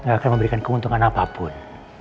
akan memberikan keuntungan apapun